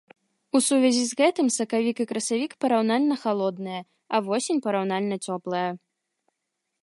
У сувязі з гэтым сакавік і красавік параўнальна халодныя, а восень параўнальна цёплая.